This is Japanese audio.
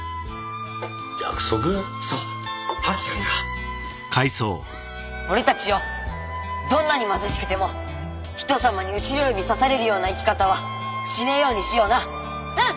約束そう八っちゃんが俺たちよぉどんなに貧しくてもひとさまに後ろ指さされるような生き方はしねぇようにしようなうん！